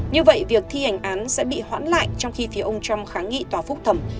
như vậy việc thi hành án sẽ bị hoãn lại trong khi phía ông trump kháng nghị tòa phúc thẩm